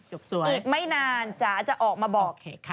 อีกไม่นานจ๋าจะออกมาบอก